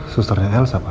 susternya elsa pak